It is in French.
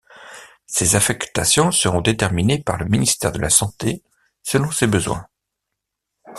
Ces affectations seront déterminées par le ministère de la Santé selon ses besoins.